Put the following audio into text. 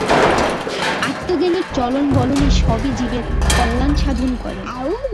আত্মজ্ঞানীর চলন-বলন সবই জীবের কল্যাণসাধণ করে।